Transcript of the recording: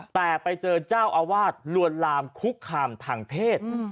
แต่ไปเจอเจ้าอาวาสลวนลามคุกคามทางเพศ